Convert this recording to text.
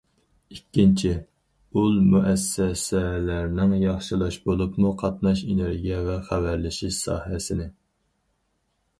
ئىككىنچى، ئۇل مۇئەسسەسەلەرنى ياخشىلاش، بولۇپمۇ قاتناش، ئېنېرگىيە ۋە خەۋەرلىشىش ساھەسىنى.